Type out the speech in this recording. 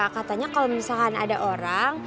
katanya kalau misalkan ada orang